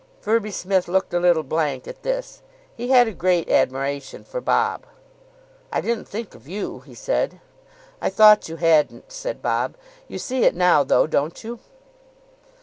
Firby Smith looked a little blank at this. He had a great admiration for Bob. "I didn't think of you," he said. "I thought you hadn't," said Bob. "You see it now, though, don't you?"